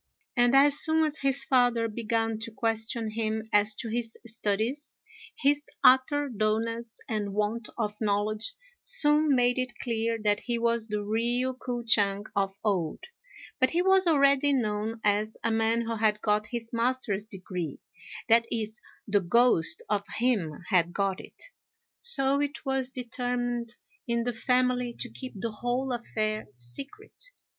And as soon as his father began to question him as to his studies, his utter dulness and want of knowledge soon made it clear that he was the real K'o ch'ang of old; but he was already known as a man who had got his master's degree, (that is, the ghost of him had got it,) so it was determined in the family to keep the whole affair secret.